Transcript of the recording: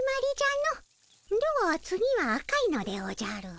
では次は赤いのでおじゃる。